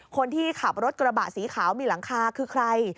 คนที่ขับรถกระบะสีขาวมีหลังคาคือใคร